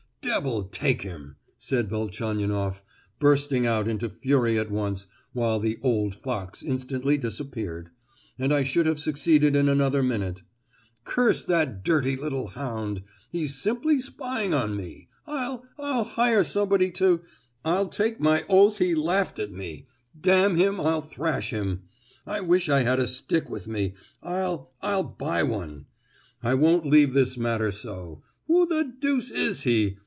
"Devil take him!" said Velchaninoff, bursting out into fury at once, while the "old fox" instantly disappeared, "and I should have succeeded in another minute. Curse that dirty little hound! he's simply spying me. I'll—I'll hire somebody to—I'll take my oath he laughed at me! D—n him, I'll thrash him. I wish I had a stick with me. I'll—I'll buy one! I won't leave this matter so. Who the deuce is he?